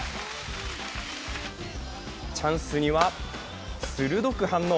チャンスには鋭く反応。